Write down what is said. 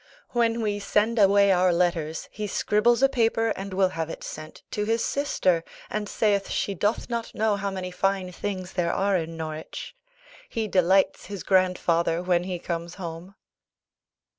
When we send away our letters he scribbles a paper and will have it sent to his sister, and saith she doth not know how many fine things there are in Norwich.... He delights his grandfather when he comes home.